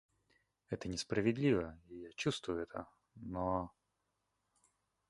Это несправедливо, и я чувствую это, но...